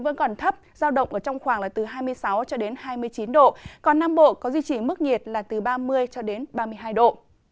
vẫn còn thấp giao động trong khoảng hai mươi sáu hai mươi chín độ còn nam bộ có duy trì mức nhiệt là từ ba mươi ba mươi hai độ